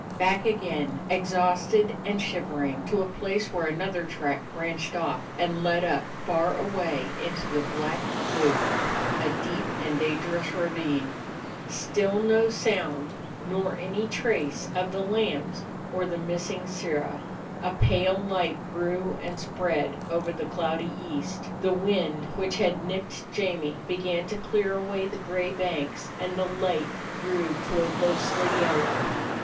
Back again, exhausted and shivering, to a place where another track branched off and led up far away into the Black Cleuch, a deep and dangerous ravine. Still no sound nor 89 DOG HEROES OF MANY LANDS any trace of the lambs or the missing Sirrah. A pale light grew and spread over the cloudy east, the wind which had nipped J amie began to clear away the gray banks, and the light grew to a ghostly yellow.